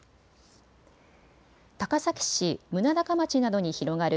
高崎市棟高町などに広がる